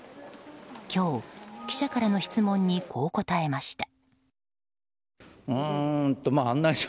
今日、記者からの質問にこう答えました。